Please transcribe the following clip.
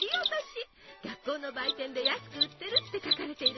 学校の売店で安く売ってるって書かれているの。